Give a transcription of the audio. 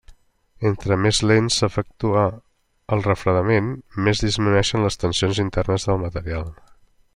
Entre més lent s'efectua el refredament, més disminueixen les tensions internes del material.